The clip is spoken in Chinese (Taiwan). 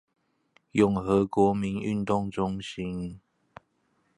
永和國民運動中心